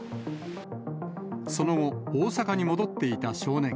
その後、大阪に戻っていた少年。